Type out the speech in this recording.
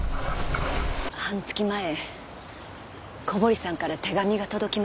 半月前小堀さんから手紙が届きました。